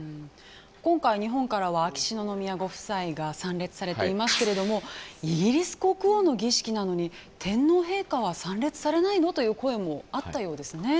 今回、日本からは秋篠宮ご夫妻が参列されていますけれどもイギリス国王の儀式なのに天皇陛下は参列されないの？という声もあったようですね。